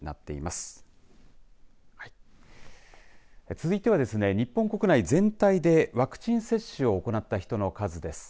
続いてはですね日本国内全体でワクチン接種を行った人の数です。